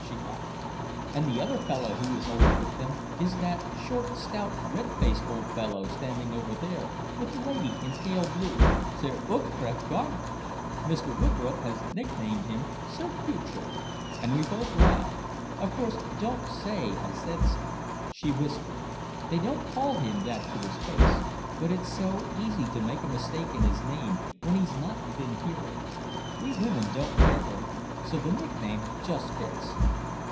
she laughed. "And the other man who is always with them is that short, stout, red faced old fellow standing over there with the lady in pale blue, Sir Ughtred Gardner. Mr. Woodroffe has nicknamed him 'Sir Putrid.'" And we both laughed. "Of course, don't say I said so," she whispered. "They don't call him that to his face, but it's so easy to make a mistake in his name when he's not within hearing. We women don't care for him, so the nickname just fits."